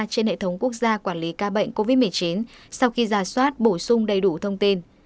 trên hệ thống quốc gia quản lý ca bệnh covid một mươi chín sau khi giả soát bổ sung đầy đủ thông tin